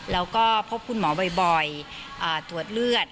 แล้วก็พบคุณหมอบ่อยตรวจเลือด